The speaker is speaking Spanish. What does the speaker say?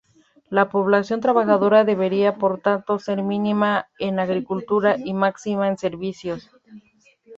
La población trabajadora debería por tanto ser mínima en agricultura y máxima en servicios.